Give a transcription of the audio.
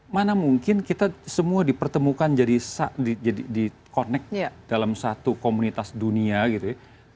mana mungkin kita semua dipertemukan jadi di connect dalam satu komunitas dunia gitu ya